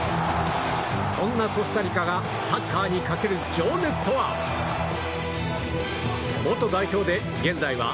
そんなコスタリカがサッカーにかける情熱とは。